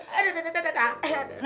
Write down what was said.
aduh aduh aduh aduh